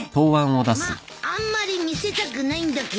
まっあんまり見せたくないんだけどね。